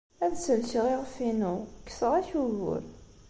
Ad sellkeɣ iɣef-inu. Kkseɣ-ak ugur.